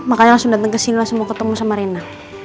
makanya langsung dateng kesini langsung mau ketemu sama rena